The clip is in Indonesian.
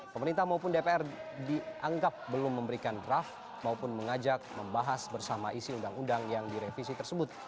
pemerintah maupun dpr dianggap belum memberikan draft maupun mengajak membahas bersama isi undang undang yang direvisi tersebut